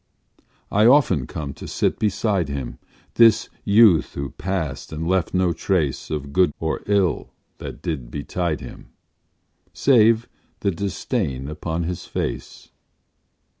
I often come to sit beside him, This youth who passed and left no trace Of good or ill that did betide him, Save the disdain upon his face.